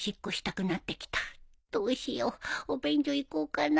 どうしようお便所行こうかな